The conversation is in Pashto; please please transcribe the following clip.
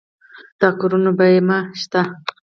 د کورونو بیمه شته؟